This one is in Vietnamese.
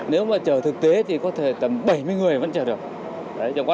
nếu mà chở thực tế thì có thể tầm bảy mươi người vẫn chở được